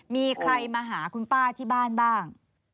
มีใครมาหาคุณป้าที่บ้านบ้าง